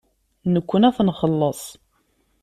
Nekkni ad t-nxelleṣ.